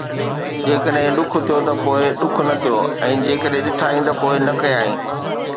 جيڪڏهن ڏک ٿيو ته پوءِ ڏک نه ٿيو ۽ جيڪڏهن ڏٺائين ته پوءِ نه ڪيائين